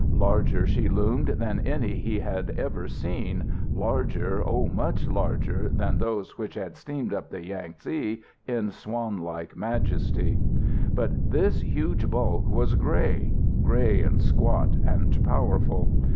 Larger she loomed than any he had ever seen, larger, oh, much larger, than those which had steamed up the Yangtze in swanlike majesty. But this huge bulk was grey grey and squat and powerful.